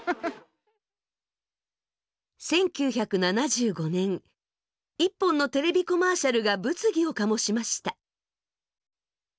１９７５年一本のテレビコマーシャルが物議を醸しました。